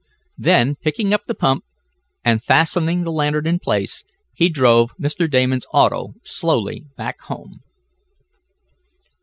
Then, picking up the pump, and fastening the lantern in place, he drove Mr. Damon's auto slowly back home.